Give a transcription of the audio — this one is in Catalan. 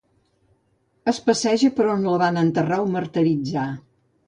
Es passeja per on la van enterrar o martiritzar.